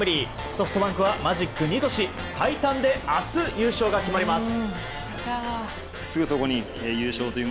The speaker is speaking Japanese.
ソフトバンクはマジック２とし最短で明日優勝が決まります。